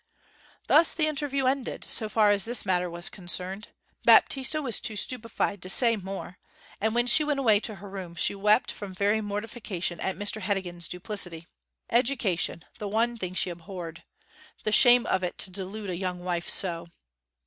Thus the interview ended, so far as this matter was concerned. Baptista was too stupefied to say more, and when she went away to her room she wept from very mortification at Mr Heddegan's duplicity. Education, the one thing she abhorred; the shame of it to delude a young wife so!